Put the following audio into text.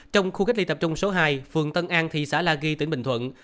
trong khu cách ly tập trung số hai phường tân an thị xã la ghi tỉnh bình thuận